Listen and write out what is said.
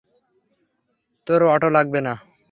তোর অটো লাগবে না?